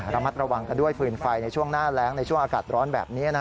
ระมัดระวังกันด้วยฟืนไฟในช่วงหน้าแรงในช่วงอากาศร้อนแบบนี้